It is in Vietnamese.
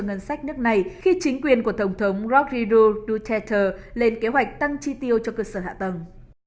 ngân sách nước này khi chính quyền của thổng thống rodrigo duterte lên kế hoạch tăng chi tiêu cho cơ sở hạ tầng